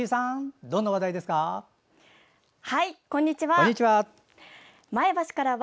こんにちは！